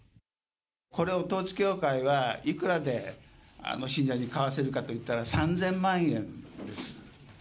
これを統一教会は、いくらで信者に買わせるかといったら３０００万円です。